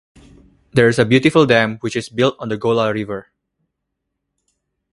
There is a beautiful dam which is built on the Gola River.